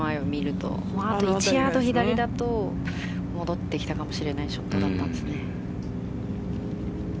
１ヤード左だと戻ってきたかもしれないショットだったんですね。